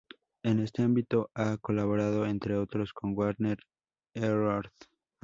En este ámbito ha colaborado, entre otros, con Werner Erhard.